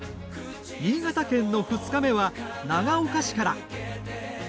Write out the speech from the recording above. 新潟県の２日目は長岡市から。